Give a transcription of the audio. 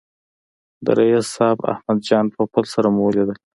د رییس صاحب احمد جان پوپل سره مو ولیدل.